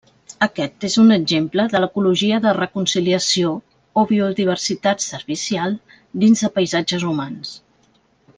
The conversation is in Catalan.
Aquest és un exemple de l'ecologia de reconciliació, o biodiversitat servicial dins de paisatges humans.